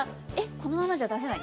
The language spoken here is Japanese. このままじゃ出せない」。